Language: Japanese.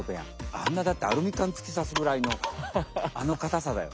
あんなだってアルミかんつき刺すぐらいのあのかたさだよ。